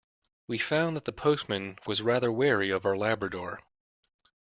We found that the postman was rather wary of our labrador